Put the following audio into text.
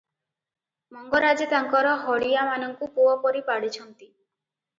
ମଙ୍ଗରାଜେ ତାଙ୍କର ହଳିଆ ମାନଙ୍କୁ ପୁଅ ପରି ପାଳିଛନ୍ତି ।